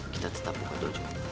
kita tetap buka dojo